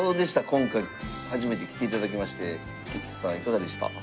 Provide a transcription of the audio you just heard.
今回初めて来ていただきまして吉瀬さんいかがでした？